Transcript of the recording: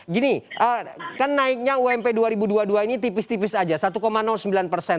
gini kan naiknya ump dua ribu dua puluh dua ini tipis tipis aja satu sembilan persen